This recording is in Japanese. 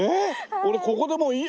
俺ここでもういい。